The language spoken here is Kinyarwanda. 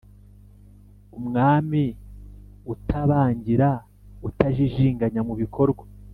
umwami utabangira: utajijiganya mu bikorwa